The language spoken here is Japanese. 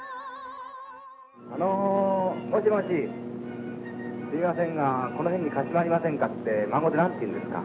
あのもしもしすいませんが「この辺で貸間ありませんか」って満語で何ていうんですか？